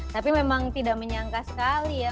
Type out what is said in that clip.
tapi memang tidak menyangka sekali ya